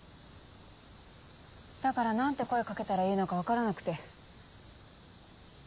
だから何て声掛けたらいいのか分からなくて。